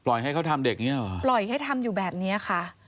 ปล่อยให้เขาทำเด็กนี้หรอปล่อยให้ทำอยู่แบบนี้ค่ะ